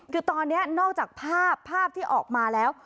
คือตอนนี้นอกจากภาพภาพที่ออกมาแล้ว